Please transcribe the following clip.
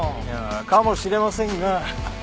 かもしれませんが。